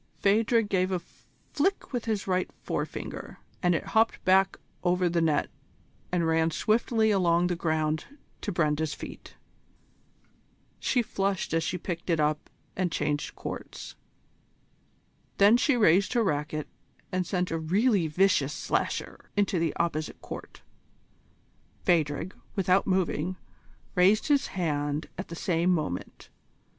Phadrig gave a flick with his right forefinger, and it hopped back over the net and ran swiftly along the ground to Brenda's feet. She flushed as she picked it up and changed courts. Then she raised her racquet and sent a really vicious slasher into the opposite court. Phadrig, without moving, raised his hand at the same moment.